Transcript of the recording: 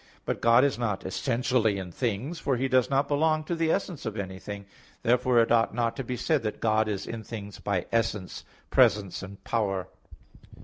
But God is not essentially in things; for He does not belong to the essence of anything. Therefore it ought not to be said that God is in things by essence, presence and power.